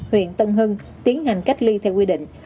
huyện tân hưng tiến hành cách ly theo quy định